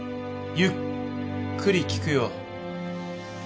ゆっくり聞くよ。